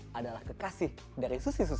masa lalu menunggu sampai taus jurus